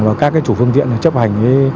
và các chủ phương tiện chấp hành